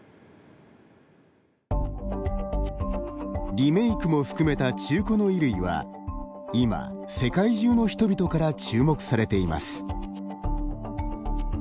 リメイクも含めた中古の衣類は今、世界中の人々から注目されています。